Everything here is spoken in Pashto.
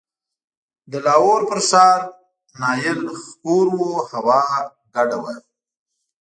د لاهور پر ښار نایل خور و، هوا ګډه وه.